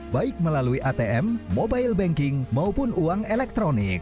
baik melalui atm mobile banking maupun uang elektronik